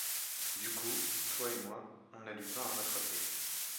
Du coup, toi et moi, on a du temps à rattraper.